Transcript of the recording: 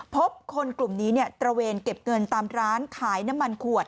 พบคนกลุ่มนี้ตระเวนเก็บเงินตามร้านขายน้ำมันขวด